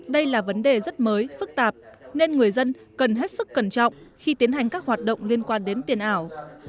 đây là vấn đề rất mới phức tạp nên người dân cần hết sức cẩn trọng khi tiến hành các hoạt động liên quan đến tiền ảo